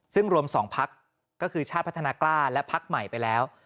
ซึ่งรวม๒พักก็คือชาติพัฒนากล้าและพักใหม่ไปแล้ว